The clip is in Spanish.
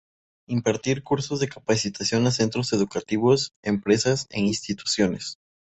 Impartir cursos de capacitación a centros educativos, empresas e instituciones.